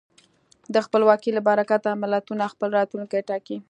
د خپلواکۍ له برکته ملتونه خپل راتلونکی ټاکي.